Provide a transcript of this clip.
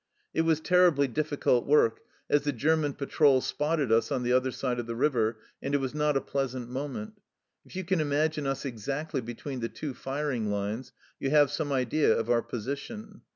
It was terribly difficult work, as the German patrol spotted us on the other side of the river, and it was not a pleasant moment. If you can imagine us exactly between the two firing lines, you have some idea of our position.